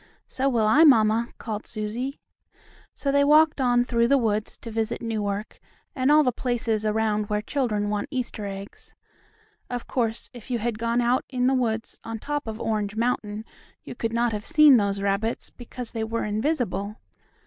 "So will I, mamma," called Susie. So they walked on through the woods to visit Newark and all the places around where children want Easter eggs. Of course, if you had gone out in the woods on top of Orange Mountain you could not have seen those rabbits, because they were invisible.